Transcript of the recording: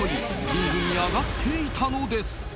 リングに上がっていたのです。